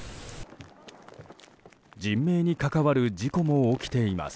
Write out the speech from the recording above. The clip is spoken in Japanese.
人命に関わる事故も起きています。